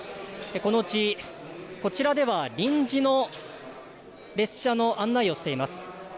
このうち、こちらでは臨時の列車の案内をしています。